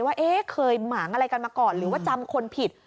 ว่าเคยหมางอะไรกันมาก่อนหรือว่าจำคนผิด